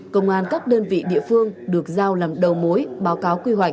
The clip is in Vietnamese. công an các đơn vị địa phương được giao làm đầu mối báo cáo quy hoạch